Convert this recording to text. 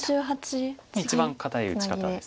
一番堅い打ち方です。